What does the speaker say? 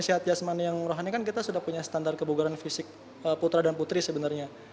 sehat yasmani yang rohani kan kita sudah punya standar kebugaran fisik putra dan putri sebenarnya